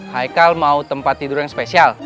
hai kal mau tempat tidur yang spesial